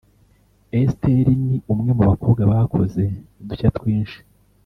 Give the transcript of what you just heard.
Esther ni umwe mu bakobwa bakoze udushya twinshi